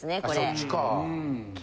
そっちか。